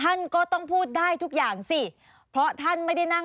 สนุนโดยน้ำดื่มสิง